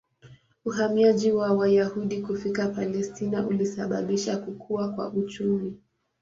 Uhamiaji wa Wayahudi kufika Palestina ulisababisha kukua kwa uchumi.